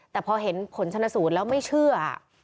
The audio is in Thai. แต่พอเห็นผลชนสูตรแล้วไม่เชื่อ